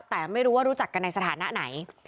แต่ไม่รู้ว่ารู้จักกันในสถานะไหน